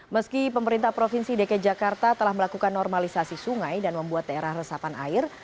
meski pemerintah provinsi dki jakarta telah melakukan normalisasi sungai dan membuat daerah resapan air